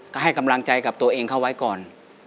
ก็ให้กำลังใจกับตัวเองเข้าไว้ก่อน